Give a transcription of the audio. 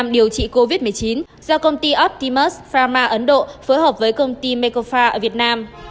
điều trị covid một mươi chín do công ty optimus pharma ấn độ phối hợp với công ty mecofa ở việt nam